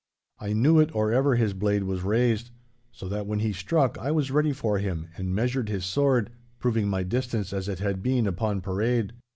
I knew it or ever his blade was raised. So that when he struck I was ready for him and measured his sword, proving my distance as it had been upon parade.